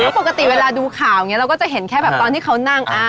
ปกติเวลาดูข่าวอย่างนี้เราก็จะเห็นแค่แบบตอนที่เขานั่ง